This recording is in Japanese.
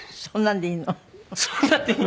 「そんなんでいいの？」。